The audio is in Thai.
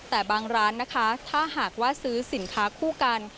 แต่บางร้านนะคะถ้าหากว่าซื้อสินค้าคู่กัน